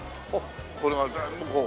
これが全部こう。